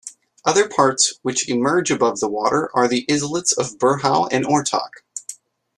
Other parts which emerge above the water are the islets of Burhou and Ortac.